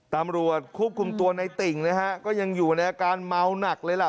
ตำรวจควบคุมตัวในติ่งนะฮะก็ยังอยู่ในอาการเมาหนักเลยล่ะ